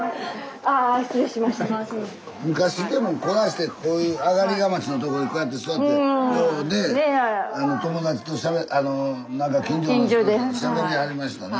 昔でもこないしてこういう上がりがまちの所にこうやって座ってようね友達となんか近所の人としゃべりはりましたね。